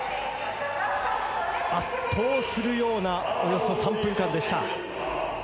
圧倒するようなおよそ３分間でした。